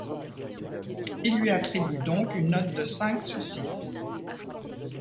Il lui attribue donc une note de cinq sur six.